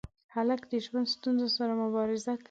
هلک د ژوند ستونزو سره مبارزه کوي.